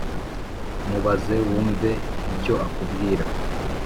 Mubaze wumve icyo akubwira